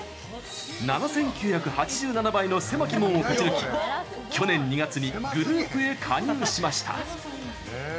７９８７倍の狭き門を勝ち抜き去年２月にグループへ加入しました。